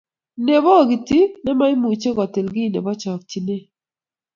Ne bogiti nemoimuchi kotil kiy nebo chokchinet